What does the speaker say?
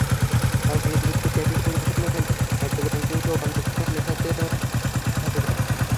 ফরমালিনযুক্ত chemical মেশানো হলে চট্টগ্রাম কিংবা অন্য কোথাও মেশানো হতে পারে।